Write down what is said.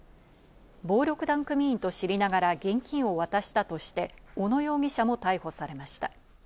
暴力団組員と知りながら現金を渡したとして、小野容疑者も逮捕されました。